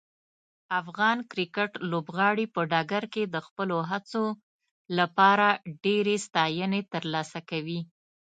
افغان کرکټ لوبغاړي په ډګر کې د خپلو هڅو لپاره ډیرې ستاینې ترلاسه کوي.